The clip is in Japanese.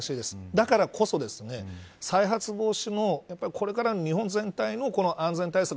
だからこそ再発防止もこれからの日本全体の安全対策